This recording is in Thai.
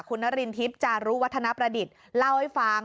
คุณนรินทิพย์จารุวัฒนประดิษฐ์เล่าให้ฟัง